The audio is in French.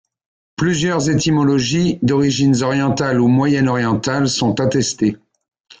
Plusieurs étymologies d'origines orientales ou moyen-orientales sont attestées.